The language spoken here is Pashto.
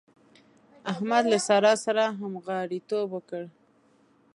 احمد له سارا سره همغاړيتوب وکړ.